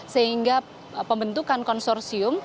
sehingga pembentukan konsorsium